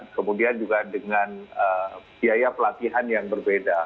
kemudian juga dengan biaya pelatihan yang berbeda